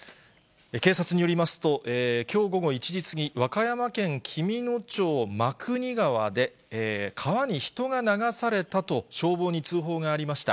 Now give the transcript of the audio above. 警察によりますと、きょう午後１時過ぎ、和歌山県紀美野町真国川で、川に人が流されたと、消防に通報がありました。